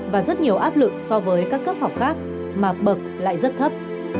và rất nhiều áp lực so với các cấp học khác mà bậc lại rất thấp